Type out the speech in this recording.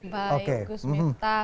baik gus miftah